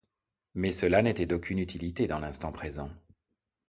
Mais cela n’était d’aucune utilité dans l’instant présent.